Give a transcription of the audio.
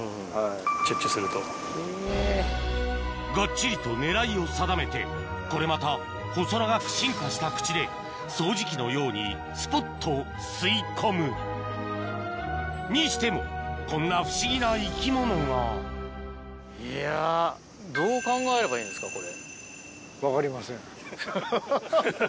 がっちりと狙いを定めてこれまた細長く進化した口で掃除機のようにすぽっと吸い込むにしてもこんな不思議な生き物がいやどう考えればいいんですかこれ。